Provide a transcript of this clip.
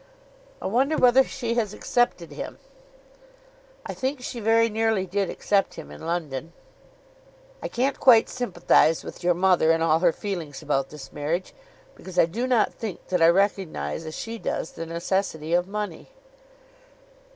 "I wonder whether she has accepted him." "I think she very nearly did accept him in London." "I can't quite sympathise with your mother in all her feelings about this marriage, because I do not think that I recognise as she does the necessity of money."